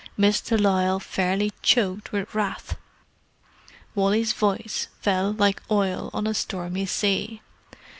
Miss de Lisle fairly choked with wrath. Wally's voice fell like oil on a stormy sea.